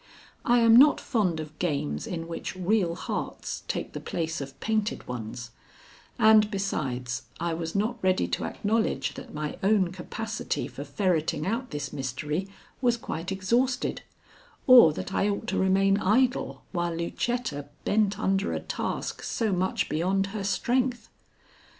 I am not fond of games in which real hearts take the place of painted ones; and, besides, I was not ready to acknowledge that my own capacity for ferreting out this mystery was quite exhausted, or that I ought to remain idle while Lucetta bent under a task so much beyond her strength.